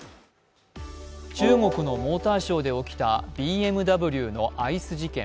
中国のモーターショーで起きたＢＭＷのアイス事件。